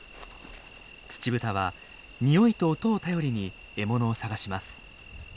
ツチブタはにおいと音を頼りに獲物を探します。